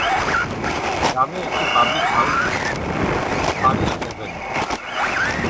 গ্রামে একটি public house আছে, "পারিশ ওভেন"।